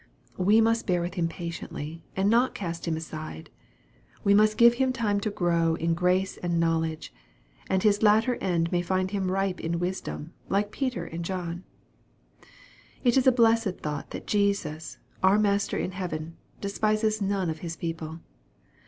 We must bear with him patiently, and not cast him aside. We must give him time to grow in grace and knowledge, and his latter end may find him ripe in wisdom, like Peter and John. It is a blessed thought that Jesus, our Master in heaven, despises none of His people.